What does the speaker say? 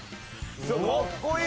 かっこいい！